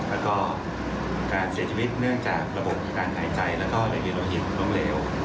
แล้วก็การเสียชีวิตเนื่องจากระบบการหายใจแล้วก็เรียนวิโรหิศลงเลว